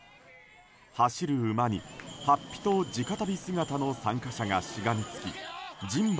走る馬に、法被と地下足袋姿の参加者がしがみつき人馬